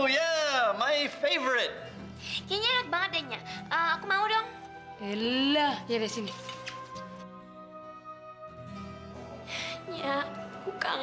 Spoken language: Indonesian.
sampai jumpa di video selanjutnya